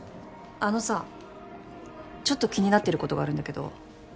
あのさちょっと気になってることがあるんだけど